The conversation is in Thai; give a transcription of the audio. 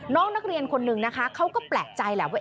น้องนักเรียนคนนึงนะคะเขาก็แปลกใจแหละว่า